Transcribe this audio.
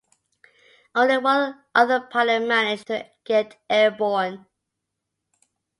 Only one other pilot managed to get airborne.